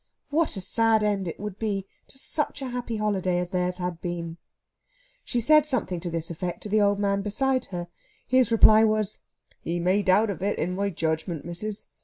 What a sad end it would be to such a happy holiday as theirs had been! She said something to this effect to the old man beside her. His reply was: "Ye may doubt of it, in my judgment, missis.